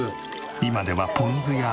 今ではポン酢や。